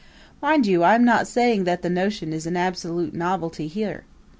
Mind you, I am not saying that the notion is an absolute novelty here.